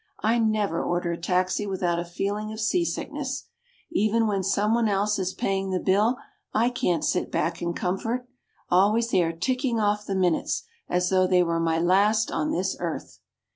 I never order a taxi without a feeling of sea sickness. Even when someone else is paying the bill I can't sit back in comfort. Always they are ticking off the minutes as though they were my last on this earth.